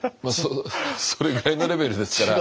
それぐらいのレベルですから。